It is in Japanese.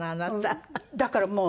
だからもう。